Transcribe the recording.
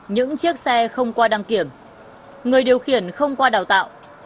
những chiếc xe không qua đăng kiểm người điều khiển không qua đào tạo